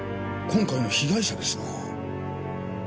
今回の被害者ですなぁ。